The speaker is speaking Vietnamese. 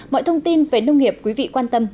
mọi thông tin về nông nghiệp quý vị quan tâm